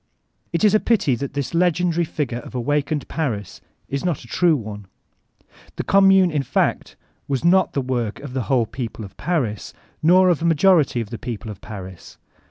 It b a pity that this legendary figure of Awakened Paris is not a true one. The Q)mmune, in fact, was not the woric of the whole people of Paris, nor of a majority of the people of Paris.